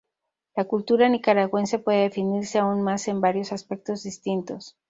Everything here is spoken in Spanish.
La cultura nicaragüense puede definirse aún más en varios aspectos distintos.